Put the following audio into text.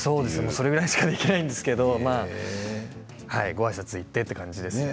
それぐらいしかできないんですけどごあいさつして、という感じです。